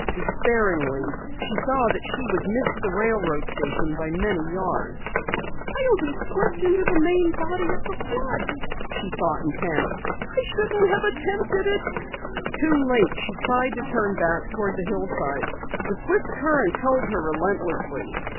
Despairingly, she saw that she would miss the railroad station by many yards. "I'll be swept into the main body of the flood!" she thought in panic. "I shouldn't have attempted it!" Too late she tried to turn back toward the hillside. The swift current held her relentlessly.